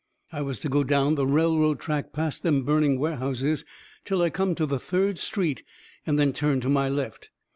I was to go down the railroad track past them burning warehouses till I come to the third street, and then turn to my left.